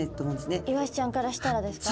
イワシちゃんからしたらですか？